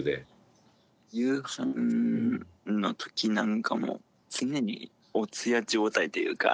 夕飯の時なんかも常にお通夜状態というか。